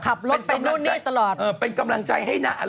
ขับรถเป็นรู้นี่ตลอดเป็นกำลังใจให้น่ะ